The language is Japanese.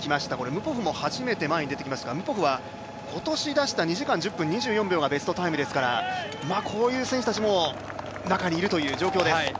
ムポフも初めて前に出てきましたが、ムポフは今年出した２時間１０分２４秒がベストタイムですから、こういう選手たちも中にいるという状況です。